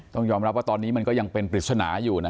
ต้องยอมรับว่าตอนนี้มันก็ยังเป็นปริศนาอยู่นะ